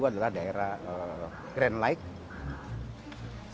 kluster kedua adalah daerah green lake